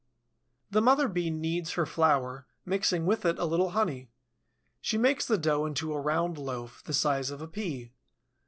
The mother Bee kneads her flour, mixing with it a little honey. She makes the dough into a round loaf, the size of a pea.